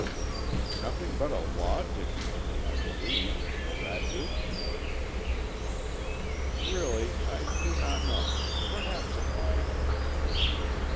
"Nothing but a law dictionary, I believe. Will that do?" "Really I do not know. Perhaps it might."